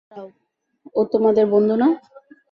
দাঁড়াও, ও তোমাদের বন্ধু না?